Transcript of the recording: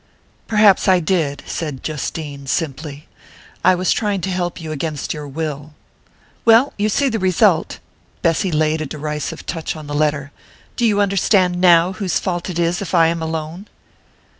"Perhaps I did," said Justine simply. "I was trying to help you against your will." "Well, you see the result." Bessy laid a derisive touch on the letter. "Do you understand now whose fault it is if I am alone?"